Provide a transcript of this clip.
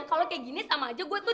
kalau kayak gini sama aja gue tuh